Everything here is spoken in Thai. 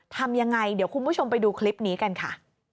ทำยังไงเดี๋ยวคุณผู้ชมไปดูคลิปนี้กันค่ะ